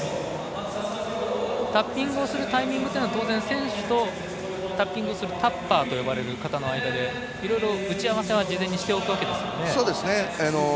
タッピングをするタイミングは当然、選手とタッピングするタッパーと呼ばれる方の間でいろいろ打ち合わせは事前にしておくわけですよね。